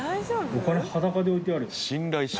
お金裸で置いてある。